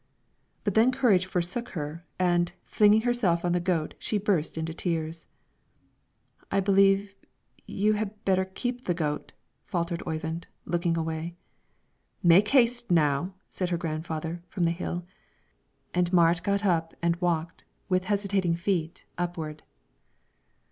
But then her courage forsook her, and, flinging herself on the goat, she burst into tears. "I believe you had better keep the goat," faltered Oyvind, looking away. "Make haste, now!" said her grandfather, from the hill; and Marit got up and walked, with hesitating feet, upward.